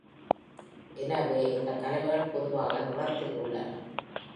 எனவே, இந்த கலவைகள் பொதுவாக நிறத்தில் உள்ளன.